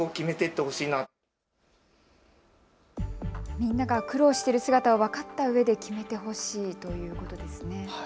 みんなが苦労してる姿を分かったうえで決めてほしいということですね。